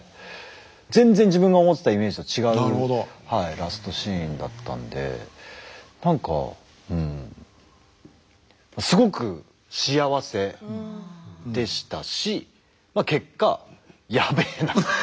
全然自分が思ってたイメージとは違うラストシーンだったんで何かうんすごく幸せでしたし結果やべえな。